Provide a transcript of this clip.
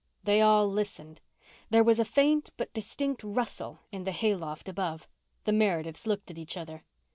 They all listened. There was a faint but distinct rustle in the hayloft above. The Merediths looked at each other.